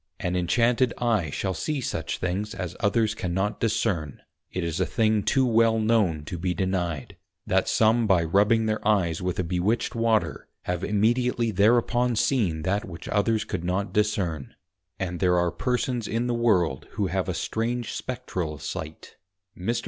_ An inchanted eye shall see such things as others cannot discern; it is a thing too well known to be denied, that some by rubbing their eyes with a bewitched Water, have immediately thereupon seen that which others could not discern; and there are Persons in the World, who have a strange Spectral sight. Mr.